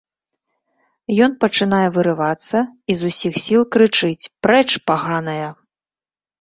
Ён пачынае вырывацца i з усiх сiл крычыць: "Прэч, паганая!